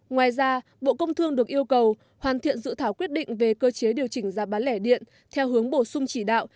ngoài ra bộ công thương được yêu cầu hoàn thiện dự thảo quyết định về cơ chế điều chỉnh giá bán lẻ điện theo hướng bổ sung chỉ đạo